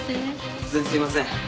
突然すいません。